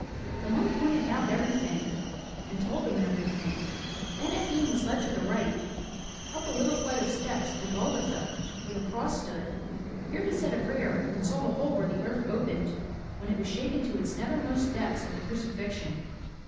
The monk pointed out everything and told them every thing. Then Efim was led to the right, up a little flight of steps to Golgotha, where the cross stood. Here he said a prayer, and saw the hole where the earth opened when it was shaken to its nethermost depths at the crucifixion.